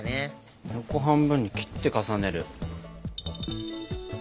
横半分に切って重ねる。